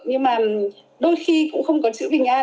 nhưng mà đôi khi cũng không có chữ bình an